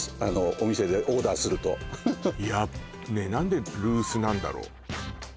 お店でオーダーするとねえなんでルースなんだろう